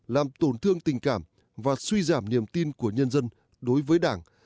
làm tổn thương tình cảm và suy giảm niềm tin của nhân dân đối với đảng